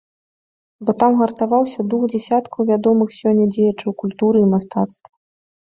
Бо там гартаваўся дух дзясяткаў вядомых сёння дзеячаў культуры і мастацтва.